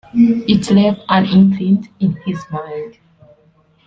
It left an imprint in his mind.